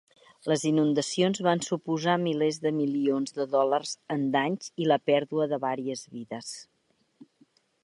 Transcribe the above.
Les inundacions van suposar milers de milions de dòlars en danys i la pèrdua de varies vides.